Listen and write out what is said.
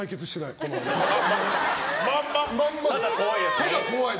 ただ怖いやつね。